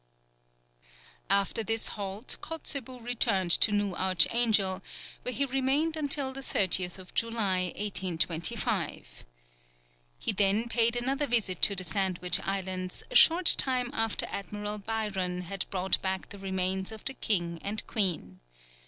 After this halt Kotzebue returned to New Archangel, where he remained until the 30th July, 1825. He then paid another visit to the Sandwich Islands a short time after Admiral Byron had brought back the remains of the king and queen.